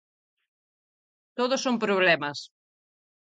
Todo son problemas.